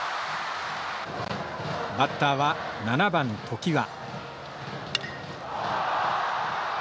バッターは７番常盤。